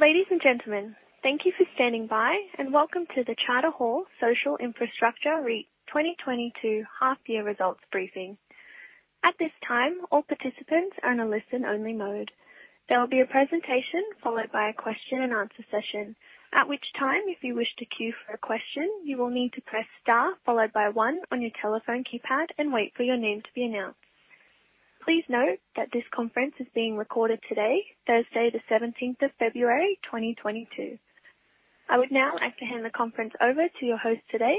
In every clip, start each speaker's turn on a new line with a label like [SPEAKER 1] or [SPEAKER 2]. [SPEAKER 1] Ladies and gentlemen, thank you for standing by, and welcome to the Charter Hall Social Infrastructure REIT 2022 half-year results briefing. At this time, all participants are in a listen-only mode. There will be a presentation followed by a question-and-answer session. At which time, if you wish to queue for a question, you will need to press star followed by 1 on your telephone keypad and wait for your name to be announced. Please note that this conference is being recorded today, Thursday, the 17th of February, 2022. I would now like to hand the conference over to your host today,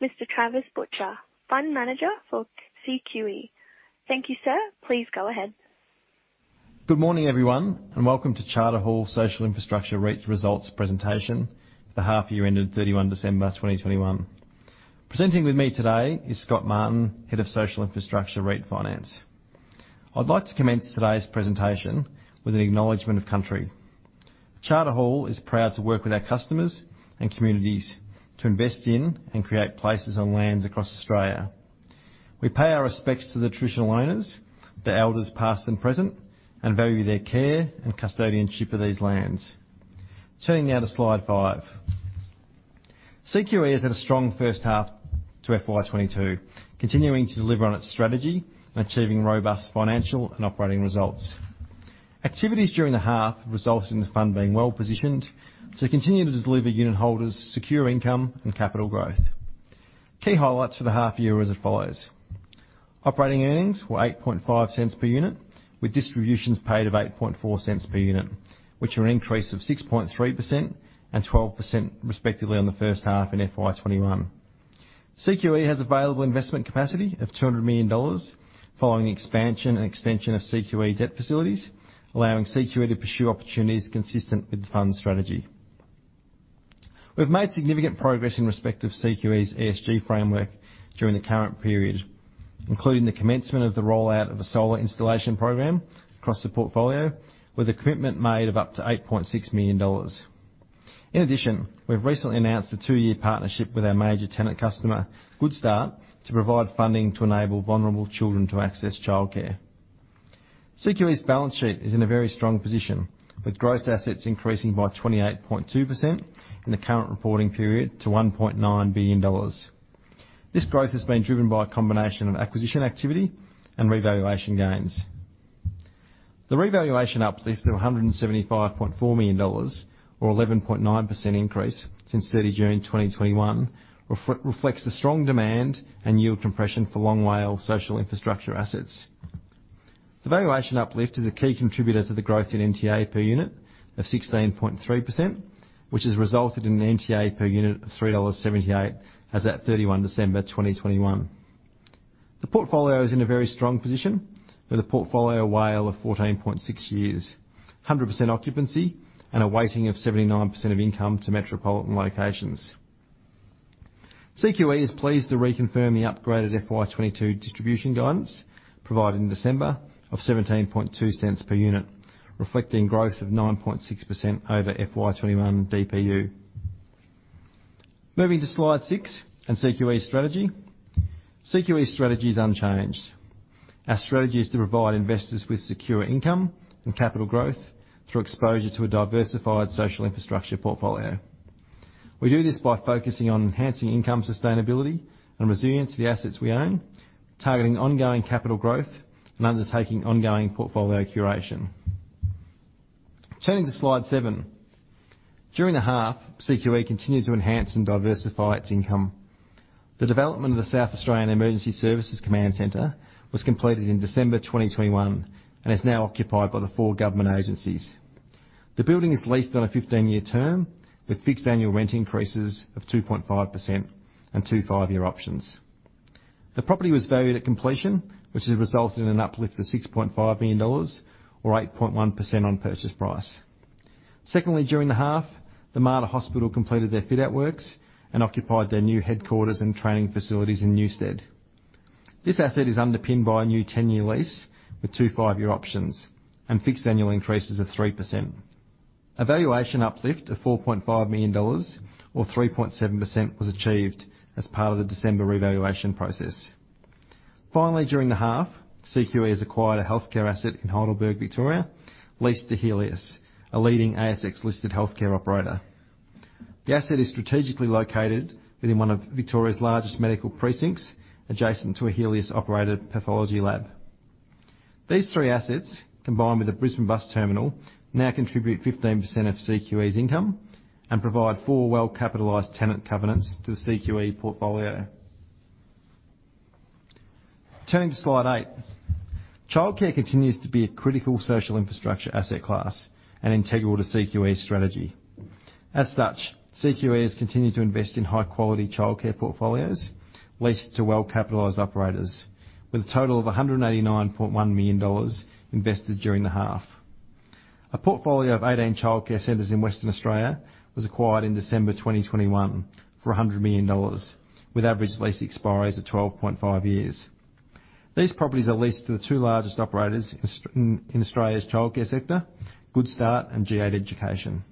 [SPEAKER 1] Mr. Travis Butcher, Fund Manager for CQE. Thank you, sir. Please go ahead.
[SPEAKER 2] Good morning, everyone, and welcome to Charter Hall Social Infrastructure REIT's results presentation for the half-year ended 31 December 2021. Presenting with me today is Scott Martin, Head of Diversified Finance. I'd like to commence today's presentation with an acknowledgement of country. Charter Hall is proud to work with our customers and communities to invest in and create places on lands across Australia. We pay our respects to the traditional owners, the elders past and present, and value their care and custodianship of these lands. Turning now to slide five. CQE has had a strong first half to FY 2022, continuing to deliver on its strategy and achieving robust financial and operating results. Activities during the half resulted in the fund being well positioned to continue to deliver unit holders secure income and capital growth. Key highlights for the half year are as follows. Operating earnings were 0.085 per unit, with distributions paid of 0.084 per unit, which are an increase of 6.3% and 12%, respectively, on the first half in FY 2021. CQE has available investment capacity of 200 million dollars following the expansion and extension of CQE debt facilities, allowing CQE to pursue opportunities consistent with the fund's strategy. We've made significant progress in respect of CQE's ESG framework during the current period, including the commencement of the rollout of a solar installation program across the portfolio with a commitment made of up to 8.6 million dollars. In addition, we've recently announced a two year partnership with our major tenant customer, Goodstart, to provide funding to enable vulnerable children to access childcare. CQE's balance sheet is in a very strong position, with gross assets increasing by 28.2% in the current reporting period to 1.9 billion dollars. This growth has been driven by a combination of acquisition activity and revaluation gains. The revaluation uplift of 175.4 million dollars or 11.9% increase since 30 June 2021 reflects the strong demand and yield compression for long WALE social infrastructure assets. The valuation uplift is a key contributor to the growth in NTA per unit of 16.3%, which has resulted in an NTA per unit of 3.78 dollars as at 31 December 2021. The portfolio is in a very strong position with a portfolio WALE of 14.6 years, 100% occupancy, and a weighting of 79% of income to metropolitan locations. CQE is pleased to reconfirm the upgraded FY 2022 distribution guidance provided in December of 0.172 per unit, reflecting growth of 9.6% over FY 2021 DPU. Moving to slide six and CQE's strategy. CQE's strategy is unchanged. Our strategy is to provide investors with secure income and capital growth through exposure to a diversified social infrastructure portfolio. We do this by focusing on enhancing income sustainability and resilience to the assets we own, targeting ongoing capital growth, and undertaking ongoing portfolio curation. Turning to slide seven. During the half, CQE continued to enhance and diversify its income. The development of the South Australian Emergency Services Command Center was completed in December 2021 and is now occupied by the four government agencies. The building is leased on a 15-year term with fixed annual rent increases of 2.5% and two, five year options. The property was valued at completion, which has resulted in an uplift of 6.5 million dollars or 8.1% on purchase price. Secondly, during the half, the Mater Hospital completed their fit-out works and occupied their new headquarters and training facilities in Newstead. This asset is underpinned by a new 10-year lease with two five year options and fixed annual increases of 3%. A valuation uplift of 4.5 million dollars or 3.7% was achieved as part of the December revaluation process. Finally, during the half, CQE has acquired a healthcare asset in Heidelberg, Victoria, leased to Healius, a leading ASX-listed healthcare operator. The asset is strategically located within one of Victoria's largest medical precincts adjacent to a Healius-operated pathology lab. These three assets, combined with the Brisbane bus terminal, now contribute 15% of CQE's income and provide four well-capitalized tenant covenants to the CQE portfolio. Turning to slide eight. Childcare continues to be a critical social infrastructure asset class and integral to CQE's strategy. As such, CQE has continued to invest in high-quality childcare portfolios leased to well-capitalized operators with a total of 189.1 million dollars invested during the half. A portfolio of 18 childcare centers in Western Australia was acquired in December 2021 for 100 million dollars, with average lease expiries of 12.5 years. These properties are leased to the two largest operators in Australia's childcare sector, Goodstart and G8 Education.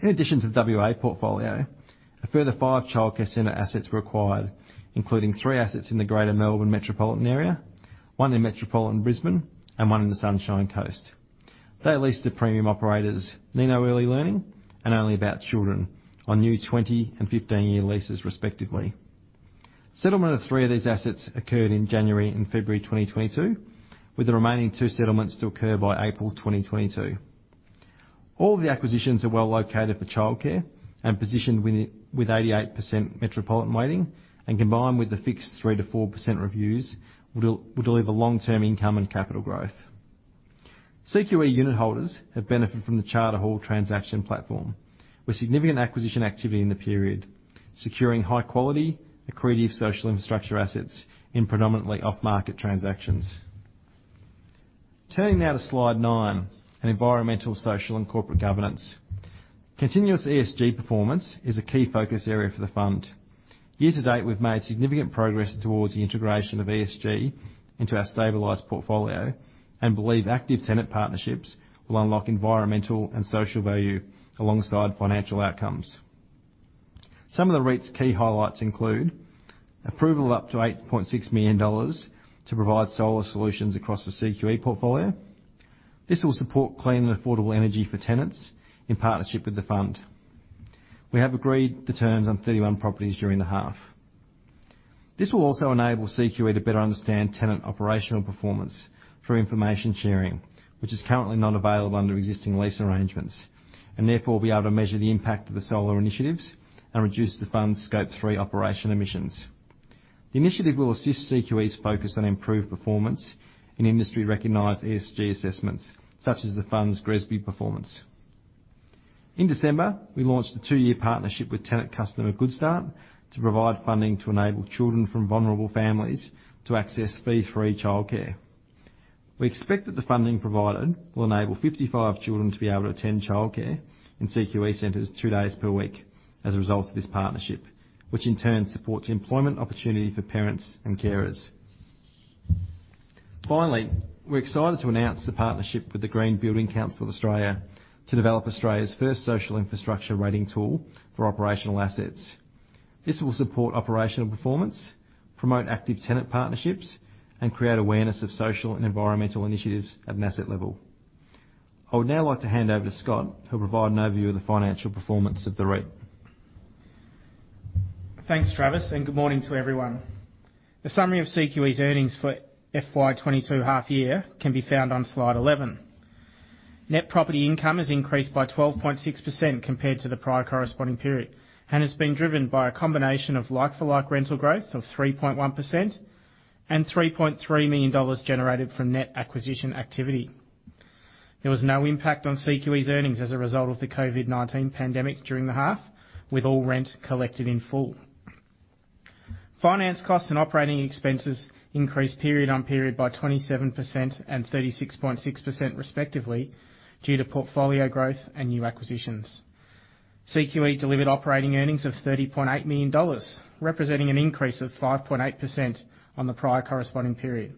[SPEAKER 2] In addition to the WA portfolio, a further five childcare center assets were acquired, including three assets in the Greater Melbourne metropolitan area, one in metropolitan Brisbane, and one in the Sunshine Coast. They are leased to premium operators, Nido Early Learning and Only About Children, on new 20- and 15-year leases respectively. Settlement of three of these assets occurred in January and February 2022, with the remaining two settlements to occur by April 2022. All the acquisitions are well-located for childcare and positioned with 88% metropolitan weighting, and combined with the fixed 3%-4% reviews will deliver long-term income and capital growth. CQE unitholders have benefited from the Charter Hall transaction platform, with significant acquisition activity in the period, securing high quality, accretive social infrastructure assets in predominantly off-market transactions. Turning now to slide nine, Environmental, Social, and Corporate Governance. Continuous ESG performance is a key focus area for the fund. Year to date, we've made significant progress towards the integration of ESG into our stabilized portfolio and believe active tenant partnerships will unlock environmental and social value alongside financial outcomes. Some of the REIT's key highlights include approval of up to 8.6 million dollars to provide solar solutions across the CQE portfolio. This will support clean and affordable energy for tenants in partnership with the fund. We have agreed the terms on 31 properties during the half. This will also enable CQE to better understand tenant operational performance through information sharing, which is currently not available under existing lease arrangements, therefore be able to measure the impact of the solar initiatives and reduce the fund's Scope 3 operational emissions. The initiative will assist CQE's focus on improved performance in industry-recognized ESG assessments such as the fund's GRESB performance. In December, we launched a two year partnership with tenant customer Goodstart to provide funding to enable children from vulnerable families to access fee-free childcare. We expect that the funding provided will enable 55 children to be able to attend childcare in CQE centers two days per week as a result of this partnership, which in turn supports employment opportunity for parents and carers. Finally, we're excited to announce the partnership with the Green Building Council of Australia to develop Australia's first social infrastructure rating tool for operational assets. This will support operational performance, promote active tenant partnerships, and create awareness of social and environmental initiatives at an asset level. I would now like to hand over to Scott, who'll provide an overview of the financial performance of the REIT.
[SPEAKER 3] Thanks, Travis, and good morning to everyone. A summary of CQE's earnings for FY 2022 half year can be found on slide 11. Net property income has increased by 12.6% compared to the prior corresponding period, and has been driven by a combination of like-for-like rental growth of 3.1% and 3.3 million dollars generated from net acquisition activity. There was no impact on CQE's earnings as a result of the COVID-19 pandemic during the half, with all rent collected in full. Finance costs and operating expenses increased period-on-period by 27% and 36.6% respectively due to portfolio growth and new acquisitions. CQE delivered operating earnings of 30.8 million dollars, representing an increase of 5.8% on the prior corresponding period.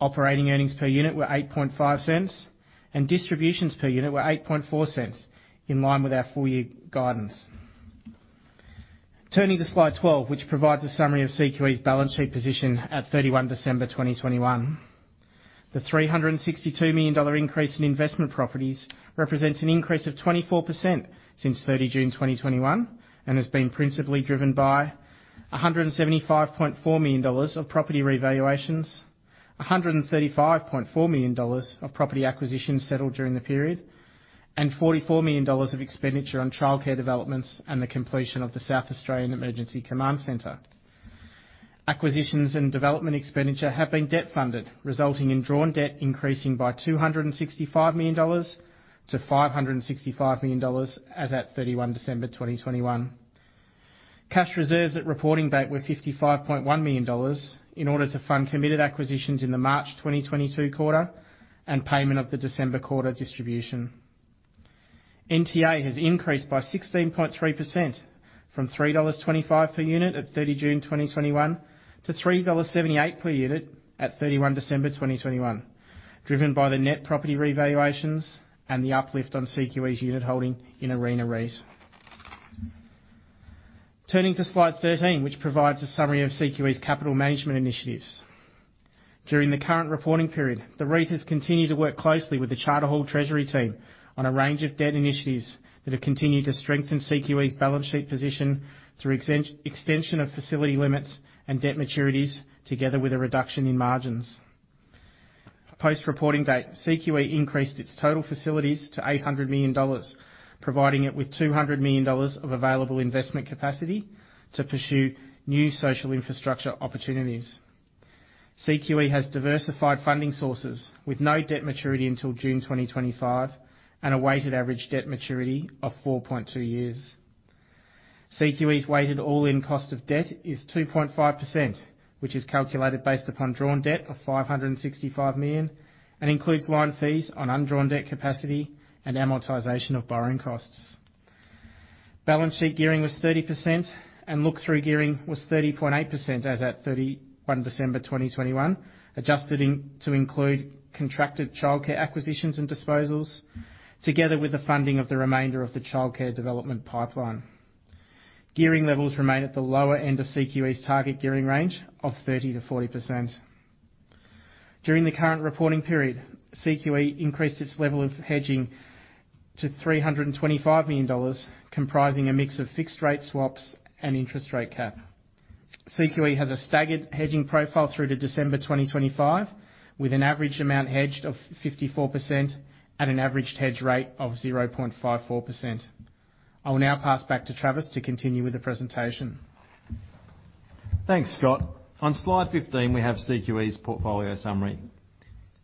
[SPEAKER 3] Operating earnings per unit were 0.085, and distributions per unit were 0.084, in line with our full year guidance. Turning to slide 12, which provides a summary of CQE's balance sheet position at 31 December 2021. The AUD 362 million increase in investment properties represents an increase of 24% since 30 June 2021, and has been principally driven by 175.4 million dollars of property revaluations, 135.4 million dollars of property acquisitions settled during the period, and 44 million dollars of expenditure on childcare developments and the completion of the South Australian Emergency Command Center. Acquisitions and development expenditure have been debt-funded, resulting in drawn debt increasing by 265 million dollars to 565 million dollars as at 31 December 2021. Cash reserves at reporting date were 55.1 million dollars in order to fund committed acquisitions in the March 2022 quarter and payment of the December quarter distribution. NTA has increased by 16.3% from 3.25 dollars per unit at 30 June 2021 to 3.78 dollars per unit at 31 December 2021, driven by the net property revaluations and the uplift on CQE's unit holding in Arena REIT. Turning to slide 13, which provides a summary of CQE's capital management initiatives. During the current reporting period, the REIT has continued to work closely with the Charter Hall treasury team on a range of debt initiatives that have continued to strengthen CQE's balance sheet position through extension of facility limits and debt maturities, together with a reduction in margins. Post-reporting date, CQE increased its total facilities to 800 million dollars, providing it with 200 million dollars of available investment capacity to pursue new social infrastructure opportunities. CQE has diversified funding sources with no debt maturity until June 2025 and a weighted average debt maturity of 4.2 years. CQE's weighted all-in cost of debt is 2.5%, which is calculated based upon drawn debt of 565 million and includes line fees on undrawn debt capacity and amortization of borrowing costs. Balance sheet gearing was 30%, and look-through gearing was 30.8% as at 31 December 2021, adjusted to include contracted childcare acquisitions and disposals together with the funding of the remainder of the childcare development pipeline. Gearing levels remain at the lower end of CQE's target gearing range of 30%-40%. During the current reporting period, CQE increased its level of hedging to 325 million dollars, comprising a mix of fixed rate swaps and interest rate cap. CQE has a staggered hedging profile through to December 2025, with an average amount hedged of 54% at an averaged hedge rate of 0.54%. I will now pass back to Travis to continue with the presentation.
[SPEAKER 2] Thanks, Scott. On slide 15, we have CQE's portfolio summary.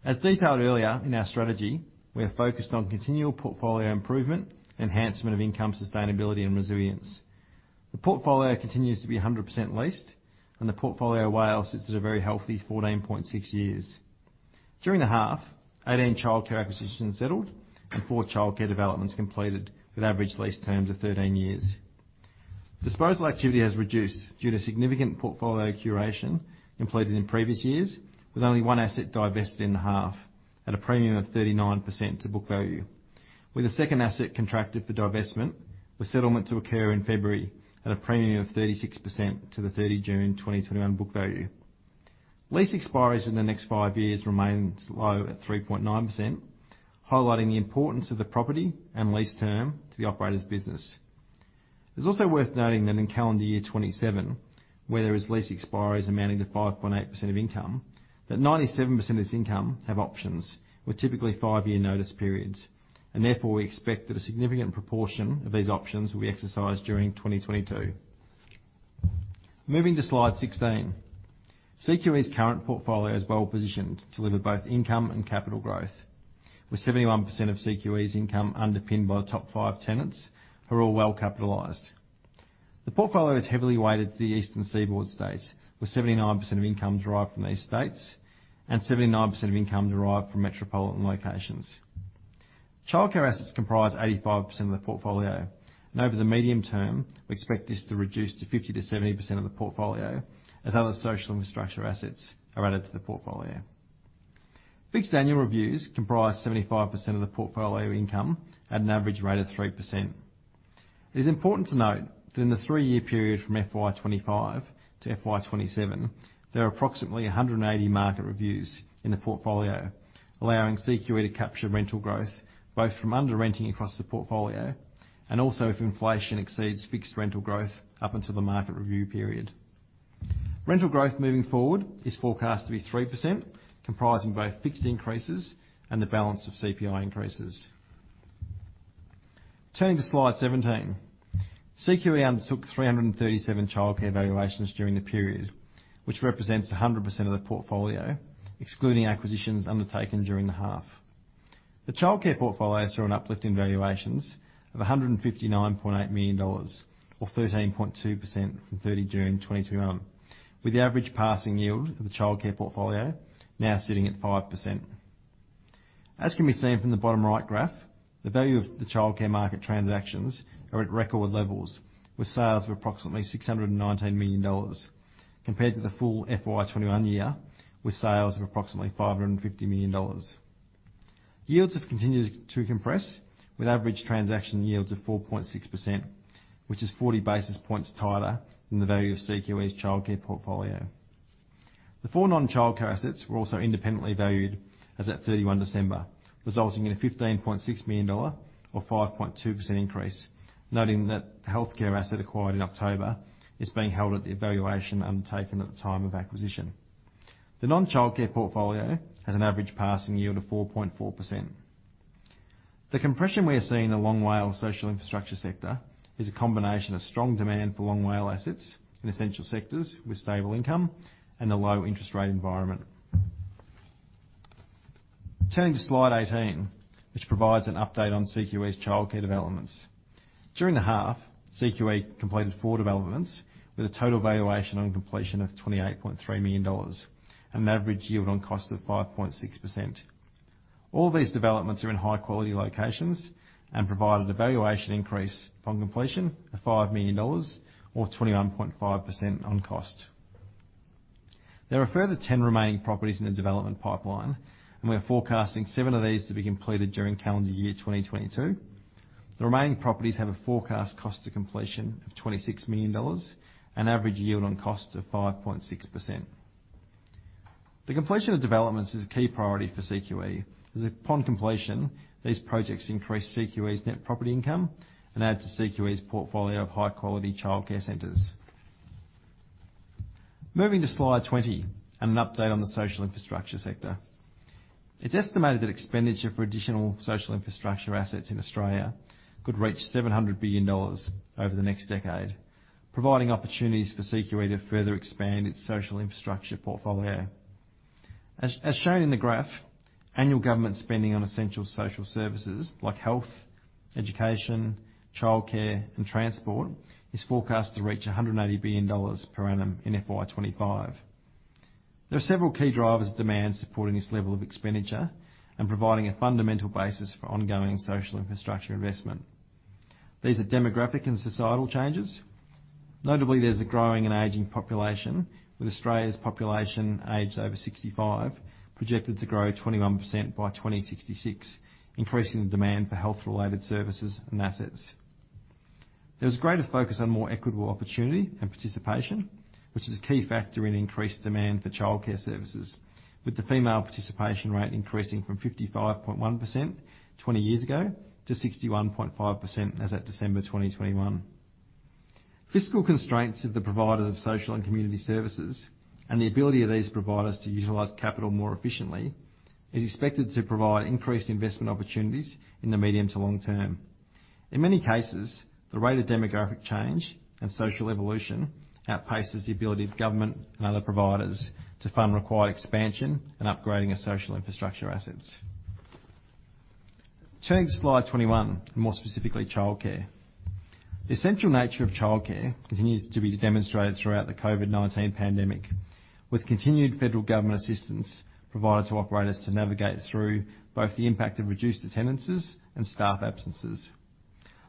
[SPEAKER 2] As detailed earlier in our strategy, we are focused on continual portfolio improvement, enhancement of income sustainability and resilience. The portfolio continues to be 100% leased, and the portfolio WALE sits at a very healthy 14.6 years. During the half, 18 childcare acquisitions settled and four childcare developments completed with average lease terms of 13 years. Disposal activity has reduced due to significant portfolio curation completed in previous years, with only one asset divested in the half at a premium of 39% to book value, with a second asset contracted for divestment, with settlement to occur in February at a premium of 36% to the 30 June 2021 book value. Lease expiries in the next five years remains low at 3.9%, highlighting the importance of the property and lease term to the operator's business. It's also worth noting that in calendar year 2027, where there is lease expiries amounting to 5.8% of income, that 97% of this income have options with typically five year notice periods. Therefore, we expect that a significant proportion of these options will be exercised during 2022. Moving to slide 16. CQE's current portfolio is well-positioned to deliver both income and capital growth, with 71% of CQE's income underpinned by top five tenants who are all well capitalized. The portfolio is heavily weighted to the Eastern Seaboard states, with 79% of income derived from these states and 79% of income derived from metropolitan locations. Childcare assets comprise 85% of the portfolio, and over the medium term, we expect this to reduce to 50%-70% of the portfolio as other social infrastructure assets are added to the portfolio. Fixed annual reviews comprise 75% of the portfolio income at an average rate of 3%. It is important to note that in the three year period from FY 2025 to FY 2027, there are approximately 180 market reviews in the portfolio, allowing CQE to capture rental growth both from under renting across the portfolio and also if inflation exceeds fixed rental growth up until the market review period. Rental growth moving forward is forecast to be 3%, comprising both fixed increases and the balance of CPI increases. Turning to slide 17. CQE undertook 337 childcare valuations during the period, which represents 100% of the portfolio, excluding acquisitions undertaken during the half. The childcare portfolio saw an uplift in valuations of AUD 159.8 million or 13.2% from 30 June 2021, with the average passing yield of the childcare portfolio now sitting at 5%. As can be seen from the bottom right graph, the value of the childcare market transactions are at record levels, with sales of approximately 619 million dollars compared to the full FY 2021 year, with sales of approximately 550 million dollars. Yields have continued to compress with average transaction yields of 4.6%, which is 40 basis points tighter than the value of CQE's childcare portfolio. The four non-childcare assets were also independently valued as at 31 December, resulting in a 15.6 million dollar or 5.2% increase. Noting that the healthcare asset acquired in October is being held at the valuation undertaken at the time of acquisition. The non-childcare portfolio has an average passing yield of 4.4%. The compression we are seeing in the long WALE social infrastructure sector is a combination of strong demand for long WALE assets in essential sectors with stable income and a low interest rate environment. Turning to slide 18, which provides an update on CQE's childcare developments. During the half, CQE completed four developments with a total valuation on completion of 28.3 million dollars and an average yield on cost of 5.6%. All these developments are in high quality locations and provided a valuation increase on completion of 5 million dollars or 21.5% on cost. There are a further 10 remaining properties in the development pipeline, and we are forecasting seven of these to be completed during calendar year 2022. The remaining properties have a forecast cost to completion of 26 million dollars and average yield on costs of 5.6%. The completion of developments is a key priority for CQE, as upon completion, these projects increase CQE's net property income and add to CQE's portfolio of high quality childcare centers. Moving to slide 20 and an update on the social infrastructure sector. It's estimated that expenditure for additional social infrastructure assets in Australia could reach 700 billion dollars over the next decade, providing opportunities for CQE to further expand its social infrastructure portfolio. As shown in the graph, annual government spending on essential social services like health, education, childcare, and transport is forecast to reach AUD 180 billion per annum in FY 2025. There are several key drivers of demand supporting this level of expenditure and providing a fundamental basis for ongoing social infrastructure investment. These are demographic and societal changes. Notably, there's a growing and aging population, with Australia's population aged over 65 projected to grow 21% by 2066, increasing the demand for health-related services and assets. There's greater focus on more equitable opportunity and participation, which is a key factor in increased demand for childcare services, with the female participation rate increasing from 55.1% 20 years ago to 61.5% as at December 2021. Fiscal constraints of the providers of social and community services and the ability of these providers to utilize capital more efficiently is expected to provide increased investment opportunities in the medium to long term. In many cases, the rate of demographic change and social evolution outpaces the ability of government and other providers to fund required expansion and upgrading of social infrastructure assets. Turning to slide 21, more specifically childcare. The essential nature of childcare continues to be demonstrated throughout the COVID-19 pandemic, with continued federal government assistance provided to operators to navigate through both the impact of reduced attendances and staff absences.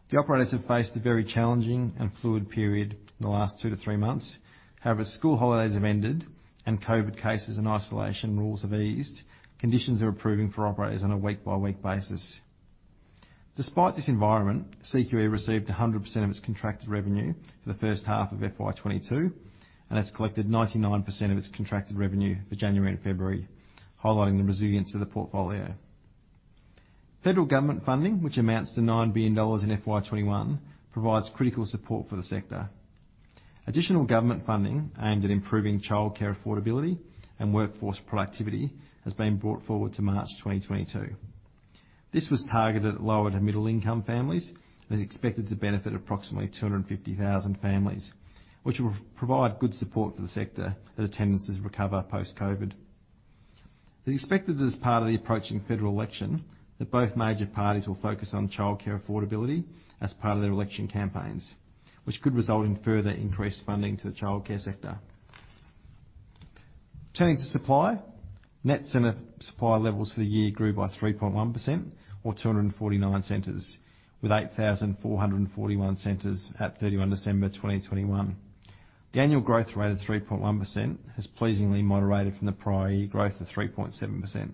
[SPEAKER 2] The operators have faced a very challenging and fluid period in the last 2 months-3 months. However, school holidays have ended and COVID cases and isolation rules have eased. Conditions are improving for operators on a week-by-week basis. Despite this environment, CQE received 100% of its contracted revenue for the first half of FY 2022, and has collected 99% of its contracted revenue for January and February, highlighting the resilience of the portfolio. Federal government funding, which amounts to 9 billion dollars in FY 2021, provides critical support for the sector. Additional government funding aimed at improving childcare affordability and workforce productivity has been brought forward to March 2022. This was targeted at lower to middle income families and is expected to benefit approximately 250,000 families, which will provide good support for the sector as attendances recover post-COVID. It is expected as part of the approaching federal election that both major parties will focus on childcare affordability as part of their election campaigns, which could result in further increased funding to the childcare sector. Turning to supply. Net center supply levels for the year grew by 3.1% or 249 centers, with 8,441 centers at 31 December 2021. The annual growth rate of 3.1% has pleasingly moderated from the prior year growth of 3.7%.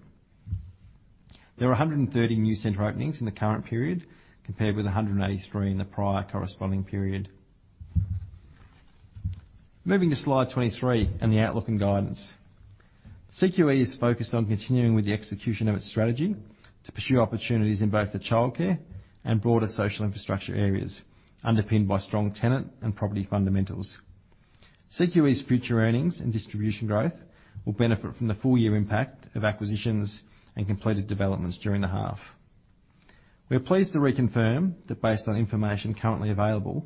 [SPEAKER 2] There were 130 new center openings in the current period, compared with 183 in the prior corresponding period. Moving to slide 23 and the outlook and guidance. CQE is focused on continuing with the execution of its strategy to pursue opportunities in both the childcare and broader social infrastructure areas, underpinned by strong tenant and property fundamentals. CQE's future earnings and distribution growth will benefit from the full year impact of acquisitions and completed developments during the half. We are pleased to reconfirm that based on information currently available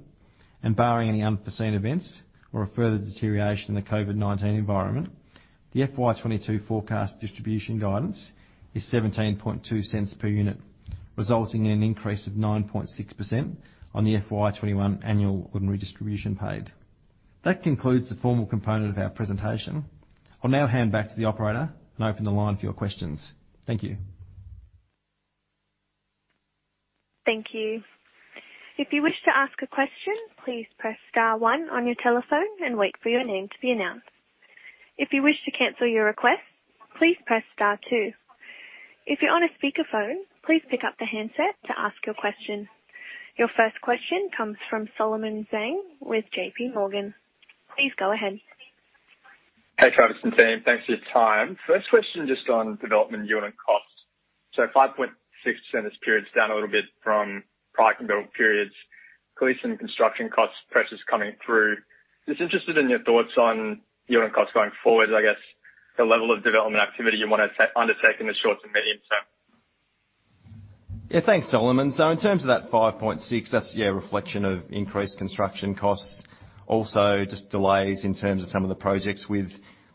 [SPEAKER 2] and barring any unforeseen events or a further deterioration in the COVID-19 environment, the FY 2022 forecast distribution guidance is 0.172 per unit, resulting in an increase of 9.6% on the FY 2021 annual ordinary distribution paid. That concludes the formal component of our presentation. I'll now hand back to the operator and open the line for your questions. Thank you.
[SPEAKER 1] Thank you. If you wish to ask a question, please press star one on your telephone and wait for your name to be announced. If you wish to cancel your request, please press star two. If you're on a speakerphone, please pick up the handset to ask your question. Your first question comes from Solomon Zhang with JPMorgan. Please go ahead.
[SPEAKER 4] Hey, Travis and team. Thanks for your time. First question, just on development unit costs. 5.6% this period is down a little bit from prior comparable periods. Clearly some construction cost pressures coming through. Just interested in your thoughts on unit costs going forward, I guess the level of development activity you wanna undertake in the short to medium term.
[SPEAKER 2] Yeah. Thanks, Solomon. In terms of that 5.6%, that's a reflection of increased construction costs. Also just delays in terms of some of the projects.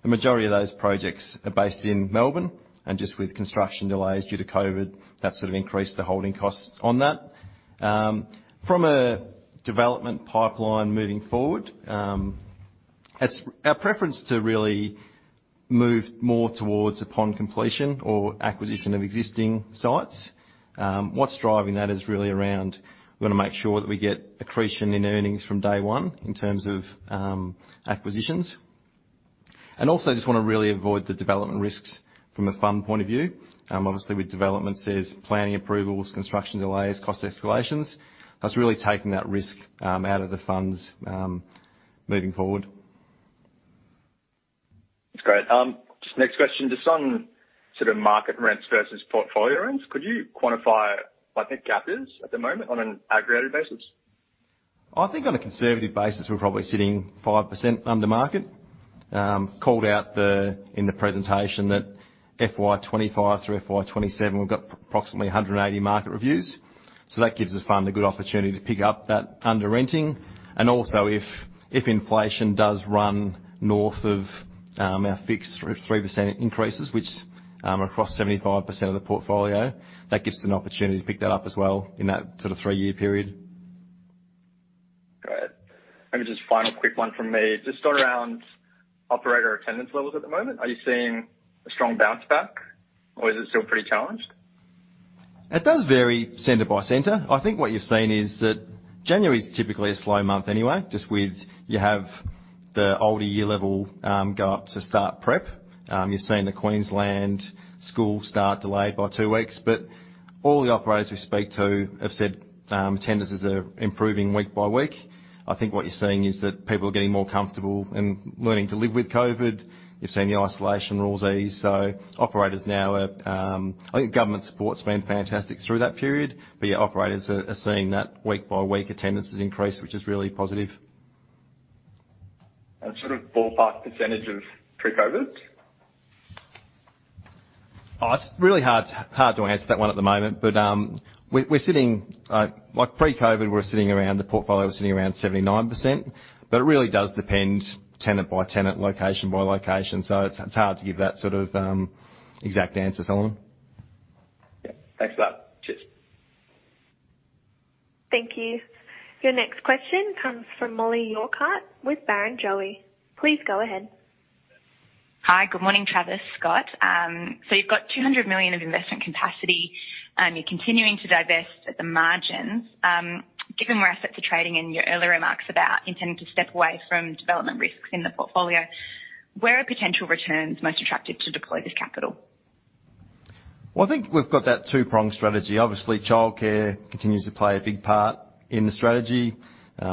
[SPEAKER 2] The majority of those projects are based in Melbourne, and just with construction delays due to COVID, that sort of increased the holding costs on that. From a development pipeline moving forward, it's our preference to really move more towards upon completion or acquisition of existing sites. What's driving that is really around, we wanna make sure that we get accretion in earnings from day one in terms of acquisitions. Also just wanna really avoid the development risks from a fund point of view. Obviously with developments there's planning approvals, construction delays, cost escalations. That's really taking that risk out of the funds moving forward.
[SPEAKER 4] That's great. Just next question, just on sort of market rents versus portfolio rents. Could you quantify, I think, gaps at the moment on an aggregated basis?
[SPEAKER 2] I think on a conservative basis, we're probably sitting 5% under market. We called out in the presentation that FY 2025 through FY 2027, we've got approximately 180 market reviews. That gives the fund a good opportunity to pick up that under renting. Also if inflation does run north of our fixed 3% increases, which are across 75% of the portfolio, that gives an opportunity to pick that up as well in that sort of three year period.
[SPEAKER 4] Maybe just final quick one from me. Just sort of around operator attendance levels at the moment. Are you seeing a strong bounce back or is it still pretty challenged?
[SPEAKER 2] It does vary center by center. I think what you're seeing is that January is typically a slow month anyway, just with you have the older year level go up to start prep. You're seeing the Queensland school start delayed by two weeks. All the operators we speak to have said attendance is improving week by week. I think what you're seeing is that people are getting more comfortable and learning to live with COVID. You're seeing the isolation rules ease, so I think government support's been fantastic through that period. Yeah, operators are seeing that week by week attendance has increased, which is really positive.
[SPEAKER 4] Sort of ballpark percentage of pre-COVID?
[SPEAKER 2] Oh, it's really hard to answer that one at the moment. We're sitting like pre-COVID, the portfolio was sitting around 79%. It really does depend tenant by tenant, location by location, so it's hard to give that sort of exact answer, Solomon.
[SPEAKER 4] Yeah. Thanks for that. Cheers.
[SPEAKER 1] Thank you. Your next question comes from Mollie Urquhart with Barrenjoey. Please go ahead.
[SPEAKER 5] Hi. Good morning, Travis, Scott. You've got 200 million of investment capacity, and you're continuing to divest at the margins. Given where assets are trading and your earlier remarks about intending to step away from development risks in the portfolio, where are potential returns most attractive to deploy this capital?
[SPEAKER 2] Well, I think we've got that two-pronged strategy. Obviously, childcare continues to play a big part in the strategy.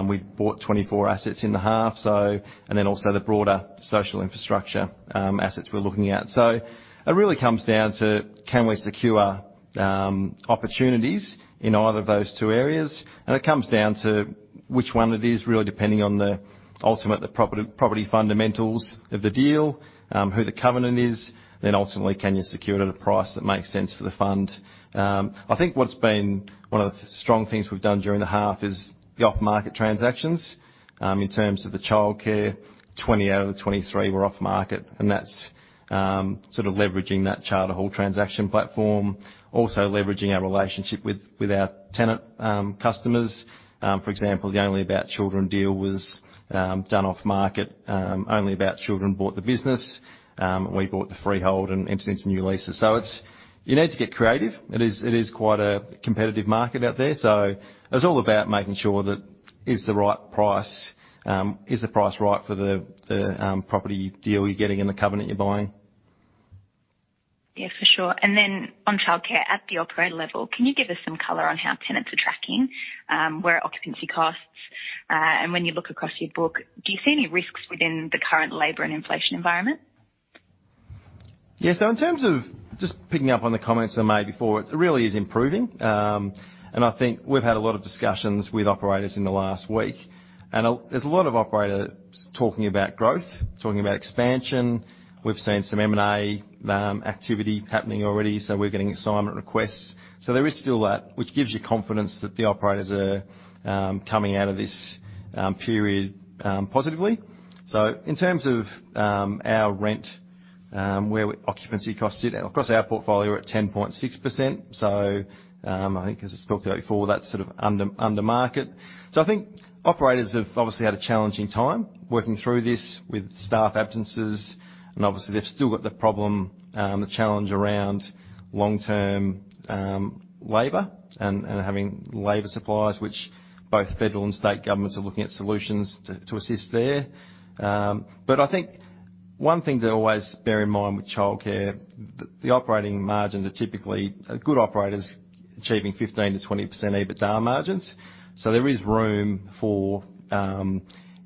[SPEAKER 2] We bought 24 assets in the half, and then also the broader social infrastructure assets we're looking at. It really comes down to, can we secure opportunities in either of those two areas? It comes down to which one it is, really depending on the ultimate, the property fundamentals of the deal, who the covenant is, then ultimately, can you secure it at a price that makes sense for the fund. I think what's been one of the strong things we've done during the half is the off-market transactions. In terms of the childcare, 20 out of the 23 were off-market, and that's sort of leveraging that Charter Hall transaction platform. Also leveraging our relationship with our tenant customers. For example, the Only About Children deal was done off market. Only About Children bought the business, we bought the freehold and entered into new leases. You need to get creative. It is quite a competitive market out there. It's all about making sure that is the right price, is the price right for the property deal you're getting and the covenant you're buying.
[SPEAKER 5] Yeah, for sure. On childcare at the operator level, can you give us some color on how tenants are tracking, where are occupancy costs? When you look across your book, do you see any risks within the current labor and inflation environment?
[SPEAKER 2] Yeah. In terms of just picking up on the comments I made before, it really is improving. I think we've had a lot of discussions with operators in the last week, and there's a lot of operators talking about growth, talking about expansion. We've seen some M&A activity happening already, so we're getting assignment requests. There is still that, which gives you confidence that the operators are coming out of this period positively. In terms of our rent, where occupancy costs sit, across our portfolio we're at 10.6%. I think as I spoke to before, that's sort of under market. I think operators have obviously had a challenging time working through this with staff absences, and obviously they've still got the problem, the challenge around long-term labor and having labor suppliers, which both federal and state governments are looking at solutions to assist there. I think one thing to always bear in mind with childcare, the operating margins are typically a good operator's achieving 15%-20% EBITDA margins. There is room for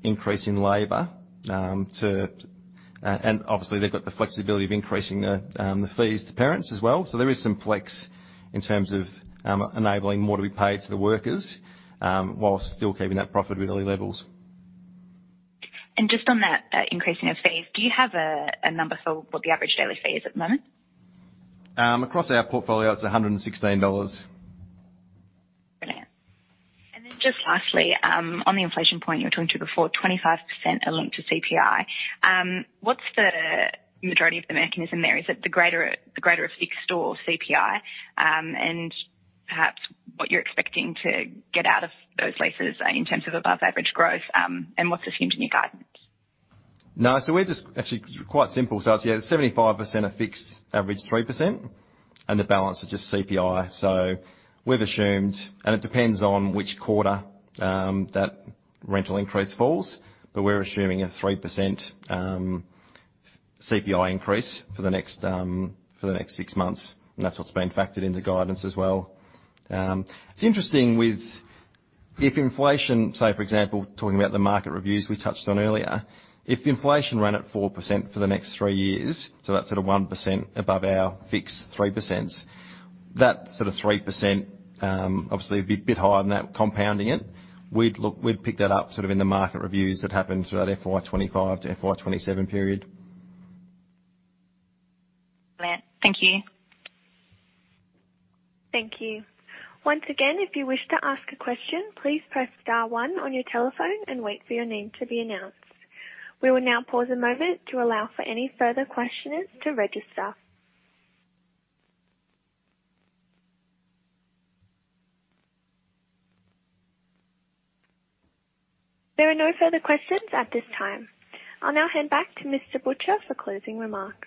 [SPEAKER 2] increase in labor, and obviously they've got the flexibility of increasing the fees to parents as well. There is some flex in terms of enabling more to be paid to the workers while still keeping that profit with healthy levels.
[SPEAKER 5] Just on that, increasing of fees, do you have a number for what the average daily fee is at the moment?
[SPEAKER 2] Across our portfolio, it's 116 dollars.
[SPEAKER 5] Brilliant. Just lastly, on the inflation point you were talking to before, 25% are linked to CPI. What's the majority of the mechanism there? Is it the greater of fixed or CPI? And perhaps what you're expecting to get out of those leases in terms of above average growth, and what's assumed in your guidance?
[SPEAKER 2] No, actually quite simple. It's, yeah, 75% are fixed, average 3%, and the balance is just CPI. We've assumed, and it depends on which quarter that rental increase falls, but we're assuming a 3% CPI increase for the next six months, and that's what's been factored into guidance as well. It's interesting what if inflation, say for example, talking about the market reviews we touched on earlier, if inflation ran at 4% for the next three years, that's at a 1% above our fixed 3%. That sort of 3%, obviously a bit higher than that compounding it. We'd pick that up sort of in the market reviews that happen throughout FY 2025 to FY 2027 period.
[SPEAKER 5] Brilliant. Thank you.
[SPEAKER 1] Thank you. Once again, if you wish to ask a question, please press star one on your telephone and wait for your name to be announced. We will now pause a moment to allow for any further questioners to register. There are no further questions at this time. I'll now hand back to Mr. Butcher for closing remarks.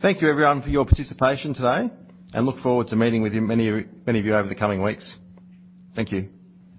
[SPEAKER 2] Thank you everyone for your participation today, and I look forward to meeting with you, many of you over the coming weeks. Thank you.